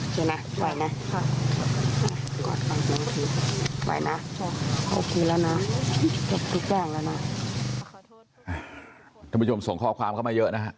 เจ็บทุกแหล่งแล้วน่ะขอโทษทุกคนท่านผู้ชมส่งข้อความเข้ามาเยอะนะฮะ